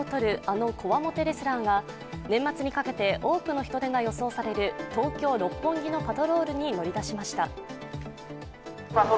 あのこわもてのレスラーが、年末にかけて多くの人出が予想される東京・六本木のパトロールに乗り出しました。